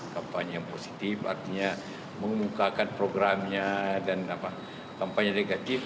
kampanye yang positif artinya mengukakan programnya dan kampanye negatif